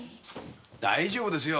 大丈夫ですよ。